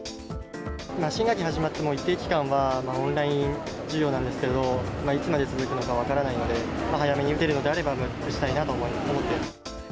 新学期始まっても、一定期間はオンライン授業なんですけど、いつまで続くのか分からないので、早めに打てるのであれば、打ちたいなと思っています。